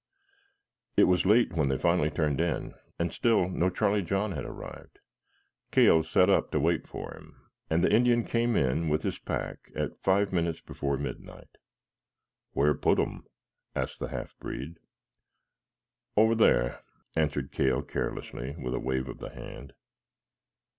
It was late when they finally turned in, and still no Charlie John had arrived. Cale sat up to wait for him, and the Indian came in with his pack at five minutes before midnight. "Where put um?" asked the half breed. "Over there," answered Cale carelessly, with a wave of the hand.